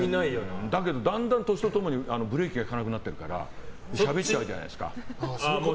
だけどだんだん年と共にブレーキが利かなくなってるからしゃべっちゃうじゃないですか。